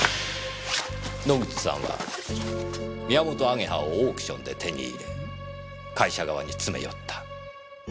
野口さんはミヤモトアゲハをオークションで手に入れ会社側に詰め寄った。